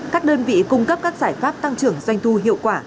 các đơn vị cung cấp các giải pháp tăng trưởng doanh thu hiệu quả